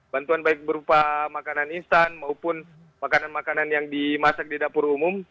bantuan baik berupa makanan instan maupun makanan makanan yang dimasak di dapur umum